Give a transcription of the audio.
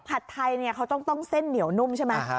ผัดไทยเขาต้องเส้นเหนียวนุ่มใช่ไหม